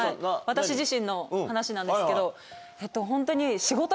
私自身の話なんですけど。